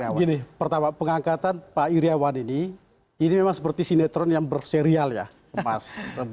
ya gini pertama pengangkatan pak iryawan ini ini memang seperti sinetron yang berserius